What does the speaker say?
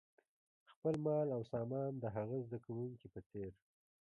خپل مال او سامان د هغه زده کوونکي په څېر.